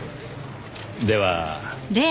では。